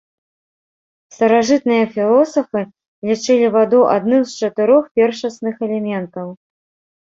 Старажытныя філосафы лічылі ваду адным з чатырох першасных элементаў.